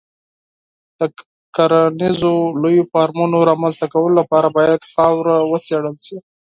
د کرنیزو لویو فارمونو رامنځته کولو لپاره باید خاوره وڅېړل شي.